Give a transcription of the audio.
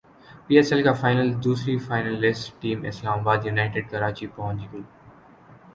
پی S L کا final دوسری finalist team اسلام باد یونائیٹڈ کراچی پہنچ گئی